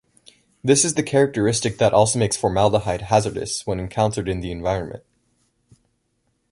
This is the characteristic that also makes formaldehyde hazardous when encountered in the environment.